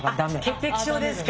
潔癖性ですか。